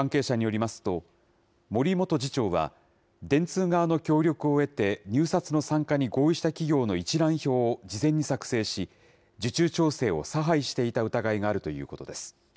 関係者によりますと、森元次長は、電通側の協力を得て、入札の参加に合意した企業の一覧表を事前に作成し、受注調整を差配していた疑いがあるということです。